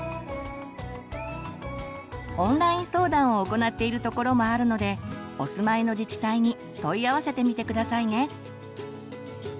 オンライン相談を行っている所もあるのでお住まいの自治体に問い合わせてみて下さいね。